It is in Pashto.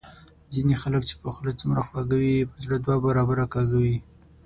ځینی خلګ چي په خوله څومره خواږه وي په زړه دوه برابره کاږه وي